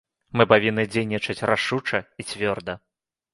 Мы павінны дзейнічаць рашуча і цвёрда.